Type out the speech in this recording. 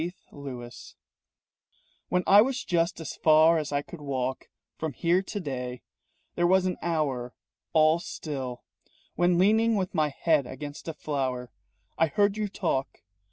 THE TELEPHONE "When I was just as far as I could walk From here to day, There was an hour All still When leaning with my head against a flower I heard you talk.